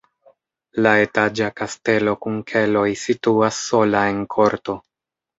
La etaĝa kastelo kun keloj situas sola en korto.